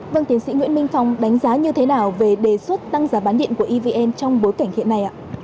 vâng tiến sĩ nguyễn minh phong đánh giá như thế nào về đề xuất tăng giá bán điện của evn trong bối cảnh hiện nay ạ